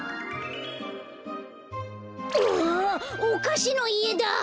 うわおかしのいえだ！